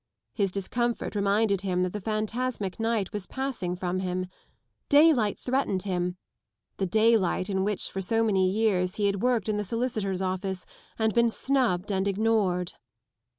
His discomfort reminded him that the phantasmic night was passing from him. Daylight threatened him : the daylight In which for so many years he had worked in the solicitor's office and been snubbed and ignored.